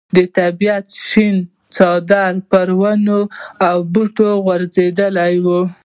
د طبیعت شین څادر پر ونو او بوټو غوړېدلی وي.